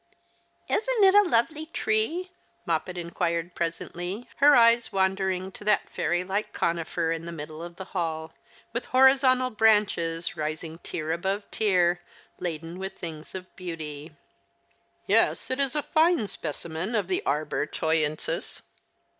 " Isn't it a lovely tree ?" Moppet inquired presently, her eyes wandering to that fairy like conifer in the middle of the hall, with horizontal branches rising tier above tier, laden with things of beauty. " Yes, it is a fine specimen of the arbor toyensis."